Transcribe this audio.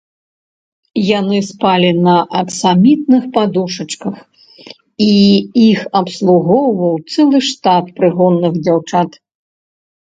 Яны спалі на аксамітных падушачках, і іх абслугоўваў цэлы штат прыгонных дзяўчат.